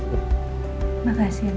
ibu aku salam semangat